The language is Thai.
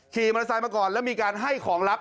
ขี่มอเตอร์ไซค์มาก่อนแล้วมีการให้ของลับ